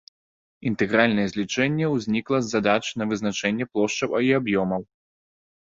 Інтэгральнае злічэнне ўзнікла з задач на вызначэнне плошчаў і аб'ёмаў.